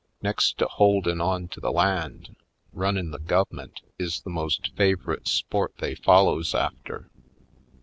Next to holdin' on to the land, runnin' the gov'mint is the most fav'rit' sport they follows after.